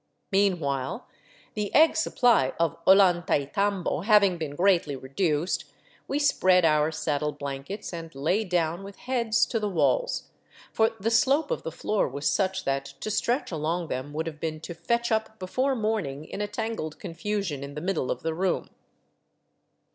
Mean while, the tgg supply of Ollantaytambo having been greatly reduced, we spread our saddle blankets and lay down with heads to the walls; for the slope of the floor was such that to stretch along them would have been to fetch up before morning in a tangled confusion in the middle of the room.